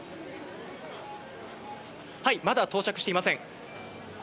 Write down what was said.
はい、まだ到着はしていません。